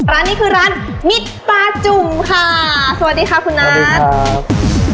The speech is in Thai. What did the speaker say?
ร้านนี้คือร้านมิดปลาจุ่มค่ะสวัสดีค่ะคุณนัทครับ